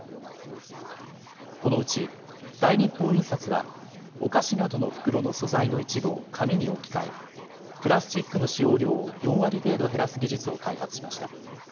このうち大日本印刷はお菓子などの袋の素材の一部を紙に置き換えプラスチックの使用量を４割程度減らす技術を開発しました。